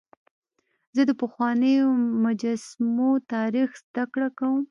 زه د پخوانیو مجسمو تاریخ زدهکړه کوم.